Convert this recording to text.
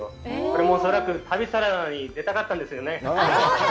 これも恐らく、旅サラダに出たかったんですよね。